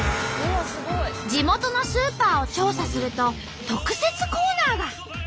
地元のスーパーを調査すると特設コーナーが。